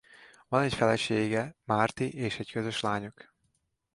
Van egy felesége Márti és egy közös lányuk.